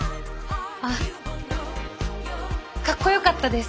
あっかっこよかったです。